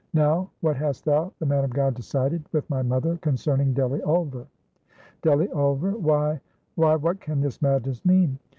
Now, what hast thou, the man of God, decided, with my mother, concerning Delly Ulver?" "Delly Ulver! why, why what can this madness mean?"